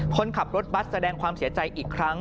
คนขับรถบัสแสดงความเสียใจอีกครั้ง